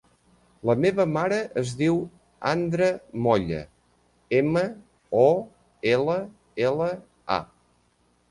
La meva mare es diu Andra Molla: ema, o, ela, ela, a.